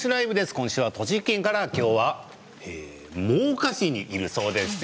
今週は栃木県から今日は真岡市にいるそうですよ。